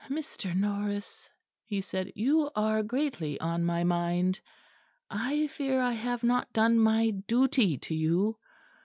"Mr. Norris," he said, "you are greatly on my mind. I fear I have not done my duty to you.